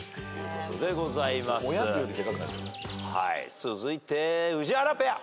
続いて宇治原ペア。